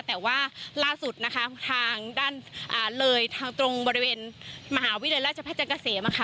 แต่ว่าล่าสุดทางด้านเลยตรงบริเวณมหาวิทยาลัยราชภัยจังกษมศ์